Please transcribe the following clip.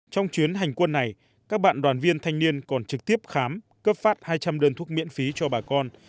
trong chuyến hành quân này các bạn đoàn viên thanh niên còn trực tiếp khám cấp phát hai trăm linh đơn thuốc miễn phí cho bà con